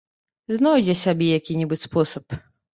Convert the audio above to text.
Знойдзе сабе які-небудзь спосаб.